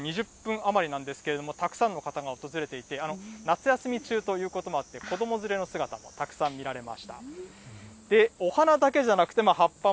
まだオープンして２０分余りなんですけれども、たくさんの方が訪れていて、夏休み中ということもあって、子ども連れの姿もたくさん見られました。